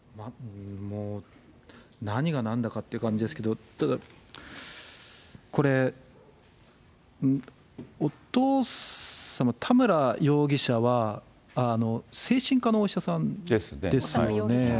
もう何がなんだかって感じですけれども、ただこれ、お父様、田村容疑者は精神科のお医者さんですよね。